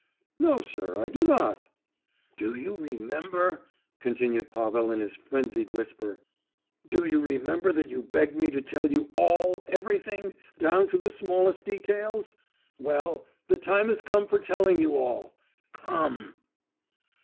"No, sir, I do not!" "Do you remember," continued Pavel in his frenzied whisper, "do you remember that you begged me to tell you all, everything—down to the smallest details? Well, the time has come for telling you all—come!"